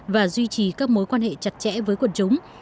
và duy trì các mối quan hệ chặt chẽ với quần chúng